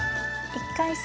１回戦